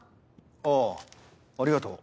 ああありがとう。